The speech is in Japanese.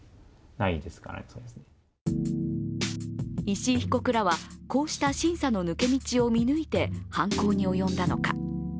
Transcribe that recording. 石井被告らは、こうした審査の抜け道を見抜いて犯行に及んだのか。